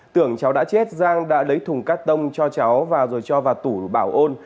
tưởng cháu đã chết giang đã lấy thùng cắt tông cho cháu và rồi cho vào tủ bảo ôn